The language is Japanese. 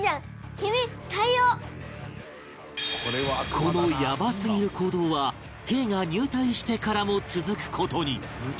このやばすぎる行動は兵が入隊してからも続く事に